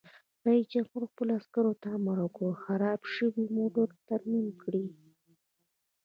رئیس جمهور خپلو عسکرو ته امر وکړ؛ خراب شوي موټر ترمیم کړئ!